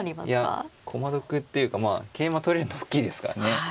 いや駒得というかまあ桂馬取れるのおっきいですからね。